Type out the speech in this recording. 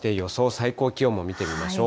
最高気温も見てみましょう。